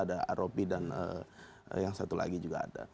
ada aropi dan yang satu lagi juga ada